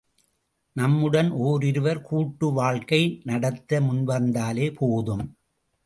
நம்முடன் ஓரிருவர் கூட்டு வாழ்க்கை நடத்த முன்வந்தாலே போதும்.